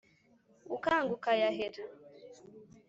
ukanga ukayahera.